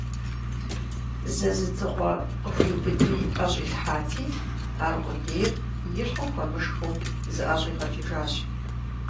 Зэ зы дзыгъуэ къыхуиубыдри ӀэщӀилъхьати, аркъудейр, илӀу хуэмышхыу, зыӀэщӀигъэкӀыжащ!